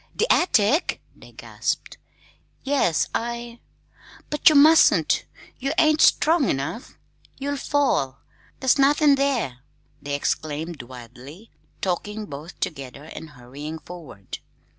"The attic!" they gasped. "Yes, I " "But you mustn't! you ain't strong enough! you'll fall! there's nothin' there!" they exclaimed wildly, talking both together and hurrying forward.